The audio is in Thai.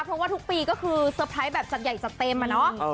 เพราะว่าทุกปีก็คือเตอร์ไพรส์แบบจัดใหญ่จัดเต็มอะเนาะ